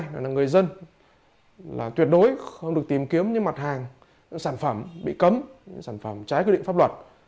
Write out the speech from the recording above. người dân tuyệt đối không được tìm kiếm những mặt hàng những sản phẩm bị cấm những sản phẩm trái quy định pháp luật